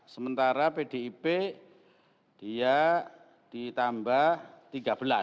sementara pdip dia ditambah tiga belas